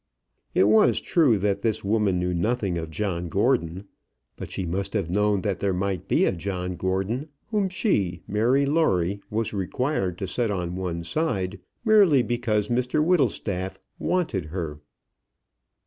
It was true that this woman knew nothing of John Gordon. But she must have known that there might be a John Gordon, whom she, Mary Lawrie, was required to set on one side, merely because Mr Whittlestaff "wanted her."